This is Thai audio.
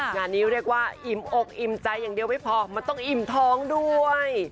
งานนี้เรียกว่าอิ่มอกอิ่มใจอย่างเดียวไม่พอมันต้องอิ่มท้องด้วย